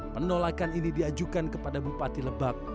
penolakan ini diajukan kepada bupati lebak